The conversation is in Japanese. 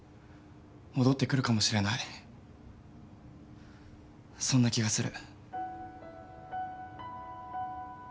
戻って来るかもしれないそんな気がする。